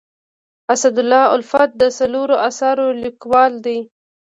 اسدالله الفت د څلورو اثارو لیکوال دی.